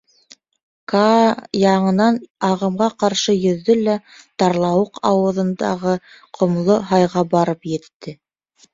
Каа яңынан ағымға ҡаршы йөҙҙө лә тарлауыҡ ауыҙындағы ҡомло һайға барып етте.